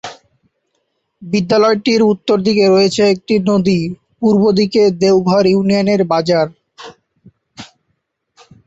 বিদ্যালয়টির উত্তর দিকে রয়েছে একটি নদী, পূর্ব দিকে দেওঘর ইউনিয়নের বাজার।